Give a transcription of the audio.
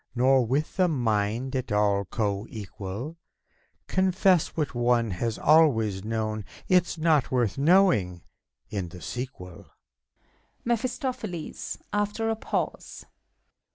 Nor with the mind at all coequal : "Confess, what one has always known Is not worth knowing, in the sequel I MEPHiSTOPHELi;s (after a pause).